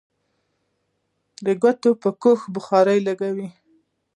د کوټې په ګوښه کې بخارۍ لګوو.